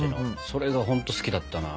それがほんと好きだったな。